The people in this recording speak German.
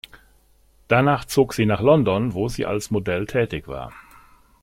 Danach zog sie nach London, wo sie als Model tätig war.